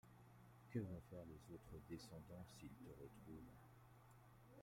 Que vont faire les autres Descendants s’ils te retrouvent?